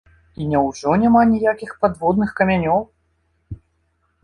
І няўжо няма ніякіх падводных камянёў?